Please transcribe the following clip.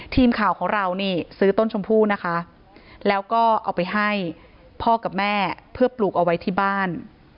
ทีมข่าวของเรานี่ซื้อต้นชมพู่นะคะแล้วก็เอาไปให้พ่อกับแม่เพื่อปลูกเอาไว้ที่บ้าน